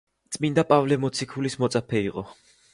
წმინდანი პავლე მოციქულის მოწაფე იყო.